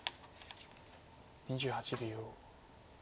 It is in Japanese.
２８秒。